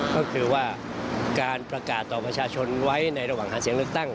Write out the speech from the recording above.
ก็คือว่าการประกาศต่อประชาชนไว้ในระหว่างหาเสียงเลือกตั้ง